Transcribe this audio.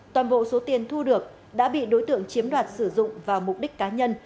toàn bộ số tiền thu được đã bị đối tượng chiếm đoạt sử dụng vào mục đích cá nhân